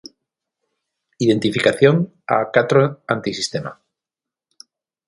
Identificación a "catro antisistema".